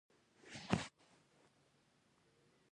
ډاکتر عرفان له امنيت والاو څخه د ملاقات اجازه واخيسته.